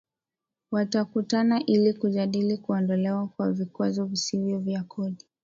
Watakutana ili kujadili kuondolewa kwa vikwazo visivyo vya kodi